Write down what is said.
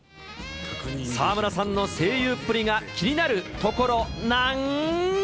沢村さんの声優っぷりが気になるところなん。